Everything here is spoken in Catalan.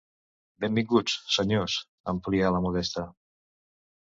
Benvinguts, senyors –amplià la Modesta.